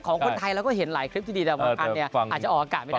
ของคนไทยเราก็เห็นหลายคลิปที่ดีแต่บางอันเนี่ยอาจจะออกอากาศไม่ได้